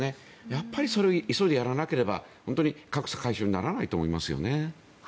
やっぱりそれを急いでやらなければ格差解消にならないと思いますね。